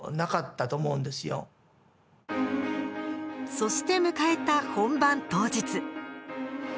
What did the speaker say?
そして迎えた本番当日。